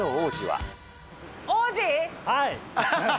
はい。